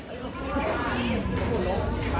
เซโว